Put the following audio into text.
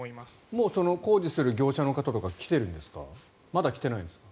もう工事する業者の方とか来ているんですか？